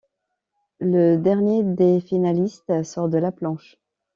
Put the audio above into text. Le dernier des finalistes sort de la planche.